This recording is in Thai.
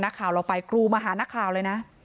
นักข่าวเราไปกรูมาหานักข่าวเลยนะ